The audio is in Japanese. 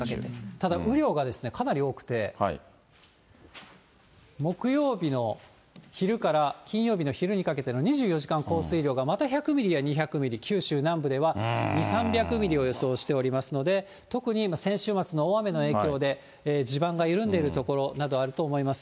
ただ、雨量がかなり多くて、木曜日の昼から金曜日の昼にかけての２４時間降水量がまた１００ミリや２００ミリ、九州南部では２、３００ミリを予想しておりますので、特に先週末の大雨の影響で、地盤が緩んでいる所などがあると思います。